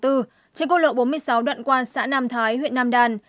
trên cô lựa bốn mươi sáu đoạn quan xã nam thái huyện nam đàn